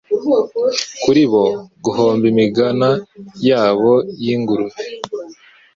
Kuri bo, guhomba imigana yabo y'ingurube